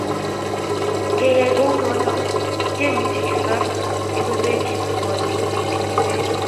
Ngeyai kounoto kemuchi kesor ebenwek chebwonei eng rubet